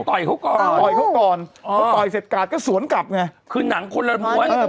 ต่อยเขาก่อนต่อยเขาก่อนอ๋อเขาต่อยเสร็จกาดก็สวนกลับไงคือหนังคนละม้วน